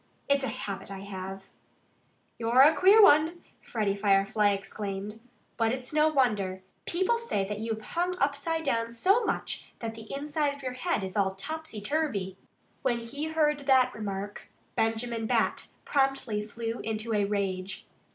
It's a habit I have." "You're a queer one!" Freddie Firefly exclaimed. "But it's no wonder. People say that you've hung upside down so much that the inside of your head is all topsy turvy." "When he heard that remark Benjamin Bat promptly flew into a rage.